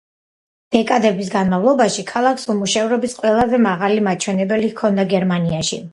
დეკადების განმავლობაში ქალაქს უმუშევრობის ყველაზე მაღალი მაჩვენებელი ჰქონდა გერმანიაში.